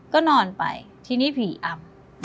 ก็นอนไปทีนี้ผีอำ